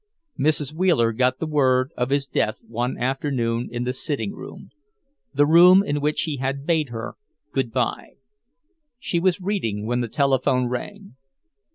Mrs. Wheeler got the word of his death one afternoon in the sitting room, the room in which he had bade her good bye. She was reading when the telephone rang.